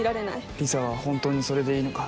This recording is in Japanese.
理沙は本当にそれでいいのか。